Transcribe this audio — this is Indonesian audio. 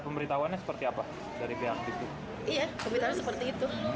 pertanyaan dari pemerintah